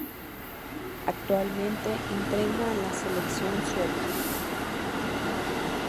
Actualmente entrena a la selección sueca.